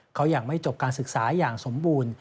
เขายังไม่จบการศึกษาอย่างสมบูรณ์